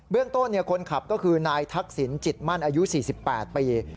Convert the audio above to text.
เรื่องต้นคนขับก็คือนายทักษิณจิตมั่นอายุ๔๘ปี